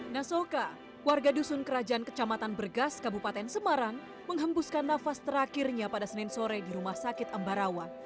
nasoka warga dusun kerajaan kecamatan bergas kabupaten semarang menghembuskan nafas terakhirnya pada senin sore di rumah sakit embarawa